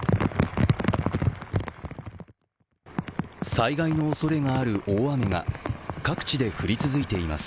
災害のおそれがある大雨が各地で降り続いています。